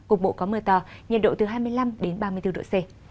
cục bộ mưa to nhiệt độ từ hai mươi năm ba mươi bốn độ c